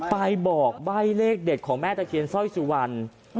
ไปบอกใบเลขเด็ดของแม่ตะเคียนซ่อยซิวัน